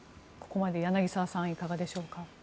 ここまで柳澤さんいかがでしょうか。